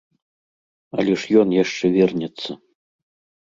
Але ж ён яшчэ вернецца.